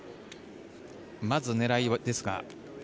まず狙いですが。